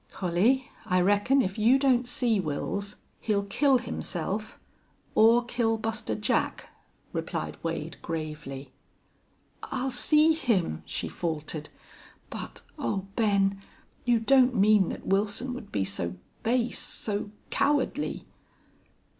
"Collie, I reckon if you don't see Wils he'll kill himself or kill Buster Jack," replied Wade, gravely. "I'll see him!" she faltered. "But oh, Ben you don't mean that Wilson would be so base so cowardly?"